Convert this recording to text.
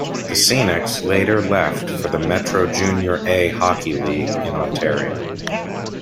The Scenics later left for the Metro Junior A Hockey League in Ontario.